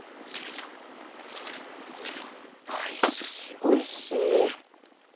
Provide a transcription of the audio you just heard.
おいしおいしい！